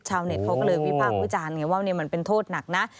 ชาวเน็ตเขาก็เลยวิภาควิจารณ์ว่าวันนี้มันเป็นโทษหนักนะ